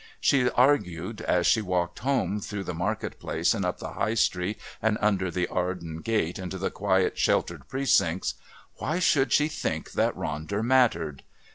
She argued as she walked home through the Market Place and up the High Street and under the Arden Gate into the quiet sheltered Precincts, why should she think that Ronder mattered?